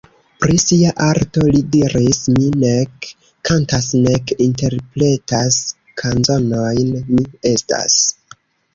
Pri sia arto li diris: "Mi nek kantas nek interpretas kanzonojn, mi estas.